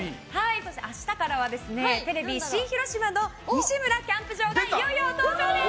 明日からはテレビ新広島の「西村キャンプ場」がいよいよ登場です。